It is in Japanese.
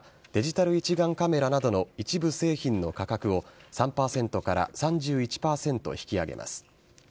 デジタル一眼カメラなどの一部製品の価格を３％３１％引き上げます。